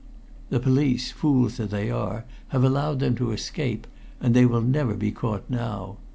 "The police, fools that they are, have allowed them to escape, and they will never be caught now.